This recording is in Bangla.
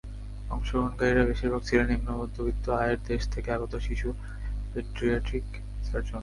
অংশগ্রহণকারীরা বেশিরভাগ ছিলেন নিন্মমধ্যবিত্ত আয়ের দেশ থেকে আগত শিশু পেডিয়াট্রিক সার্জন।